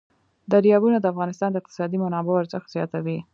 دریابونه د افغانستان د اقتصادي منابعو ارزښت زیاتوي.